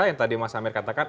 yang tadi mas amir katakan